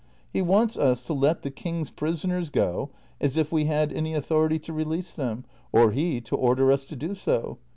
He wants us to let the king's prisoners go, as if we had any authority to release them, or he to order us to do so